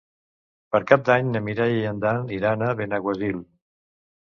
Per Cap d'Any na Mireia i en Dan iran a Benaguasil.